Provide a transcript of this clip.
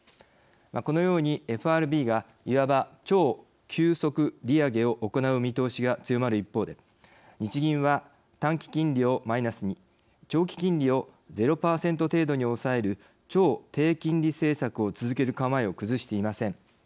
このようにＦＲＢがいわば超急速利上げを行う見通しが強まる一方で日銀は短期金利をマイナスに長期金利をゼロ％程度に抑える超低金利政策を続ける構えを崩していません。